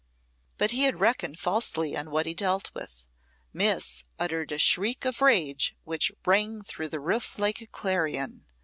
But he had reckoned falsely on what he dealt with. Miss uttered a shriek of rage which rang through the roof like a clarion.